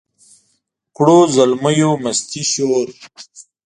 کړو زلمیو مستي شور